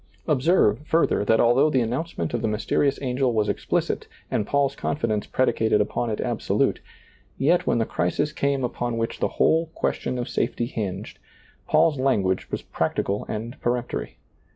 Observe, further, that although the announce ment of the mysterious angel was explicit and Paul's confidence predicated upon it absolute, yet ^lailizccbvGoOgle 114 SEEING DARKLY when the crisis came upon which the whole ques tion of safety hinged, Paul's language was practi cal and peremptory.